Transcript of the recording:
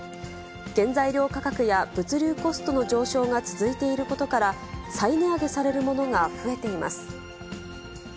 原材料価格や物流コストの上昇が続いていることから、再値上げされるものが増えています。